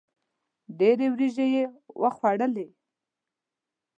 ډېري وریجي یې وخوړلې.